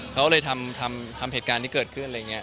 เขาเลยทำเหตุการณ์ที่เกิดขึ้นอะไรอย่างนี้